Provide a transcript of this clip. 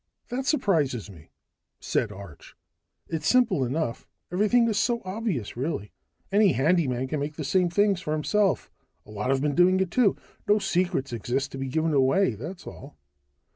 "That surprises me," said Arch. "It's simple enough. Everything is so obvious, really any handyman can make the same things for himself. A lot have been doing it, too. No secrets exist to be given away, that's all."